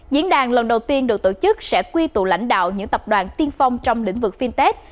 diễn đàn lần đầu tiên được tổ chức sẽ quy tụ lãnh đạo những tập đoàn tiên phong trong lĩnh vực fintech